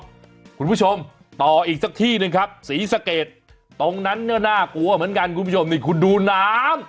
คุณผู้ชมต่ออีกสักที่หนึ่งครับศรีสะเกดตรงนั้นก็น่ากลัวเหมือนกันคุณผู้ชมนี่คุณดูน้ำ